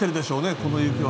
この雪は。